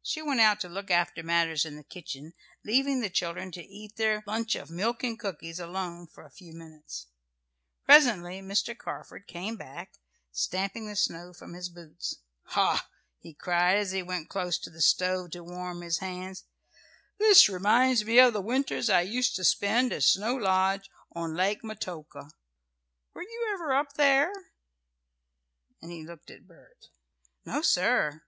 She went out to look after matters in the kitchen, leaving the children to eat their lunch of milk and cookies alone for a few minutes. Presently Mr. Carford came back, stamping the snow from his boots. "Ha!" he cried, as he went close to the stove to warm his hands. "This reminds me of the winters I used to spend at Snow Lodge on Lake Metoka. Were you ever up there?" and he looked at Bert. "No, sir."